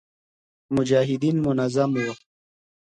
مجاهدین منظم و